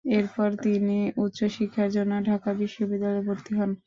এরপর তিনি উচ্চ শিক্ষার জন্য ঢাকা বিশ্ববিদ্যালয়ে ভর্তি হন।